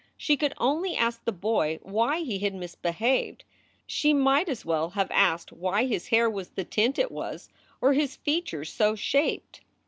She could only ask the boy why he had misbehaved. She might as well have asked why his hair was the tint it was or his features so shaped.